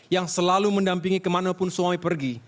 yang selalu mendampingi kemanapun suami pergi